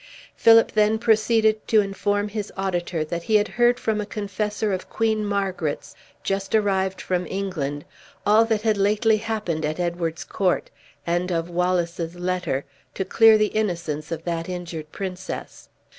Philip then proceeded to inform his auditor that he had heard from a confessor of Queen Margaret's, just arrived from England, all that had lately happened at Edward's court; and of Wallace's letter, to clear the innocence of that injured princess.